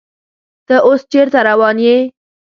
ته اوس چیرته روان یې؟